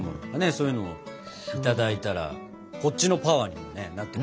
そういうのもいただいたらこっちのパワーにもなって。